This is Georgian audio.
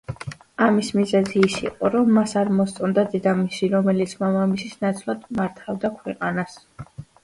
ამის მიზეზი ის იყო, რომ მას არ მოსწონდა დედამისი, რომელიც მამამისის ნაცვლად მართავდა ქვეყანას.